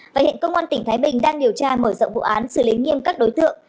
và hiện công an tỉnh thái bình đang điều tra mở rộng vụ án xử lý nghiêm các đối tượng